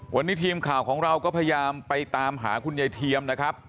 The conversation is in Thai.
วันนี้ทีมข่าวของเราก็พยายามไปตามหาคุณยายเทียมนะครับ